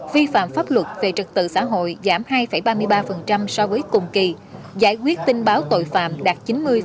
vì phạm pháp luật về trật tự xã hội giảm hai ba mươi ba so với cùng kỳ giải quyết tình báo tội phạm đạt chín mươi một mươi sáu